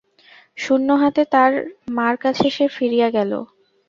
শূন্য হাতে তার মার কাছে সে ফিরিয়া গেল।